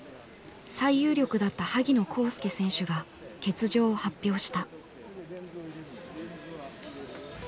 最有力だった萩野公介選手が欠場を発表した。